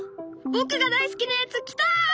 僕が大好きなやつ来た！